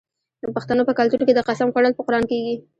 د پښتنو په کلتور کې د قسم خوړل په قران کیږي.